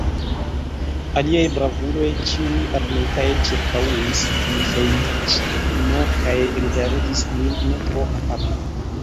Aliaj bravuloj, ĉiuj armitaj, ĉirkaŭis Miĥeiĉ'n kaj rigardis lin ne tro afable.